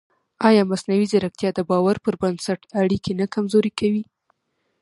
ایا مصنوعي ځیرکتیا د باور پر بنسټ اړیکې نه کمزورې کوي؟